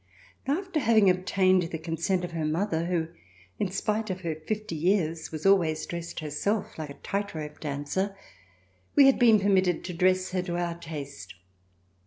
After having obtained the consent of her mother, who, in spite of her fifty years, was always dressed herself like a tight rope dancer, we had been permitted to dress her to our taste.